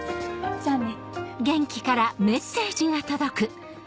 「じゃあね」？